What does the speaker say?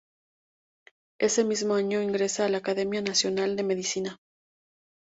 Ese mismo año ingresa a la Academia Nacional de Medicina.